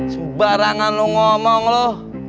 sebarangan lu ngomong lu